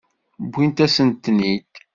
Wwint-asent-ten-id.